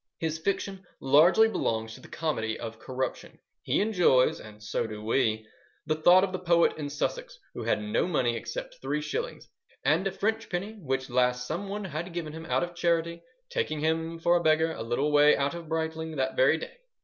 His fiction largely belongs to the comedy of corruption. He enjoys—and so do we—the thought of the poet in Sussex who had no money except three shillings, "and a French penny, which last some one had given him out of charity, taking him for a beggar a little way out of Brightling that very day."